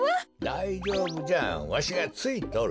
だいじょうぶじゃわしがついとる。